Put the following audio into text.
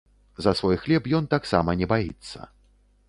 За свой хлеб ён таксама не баіцца.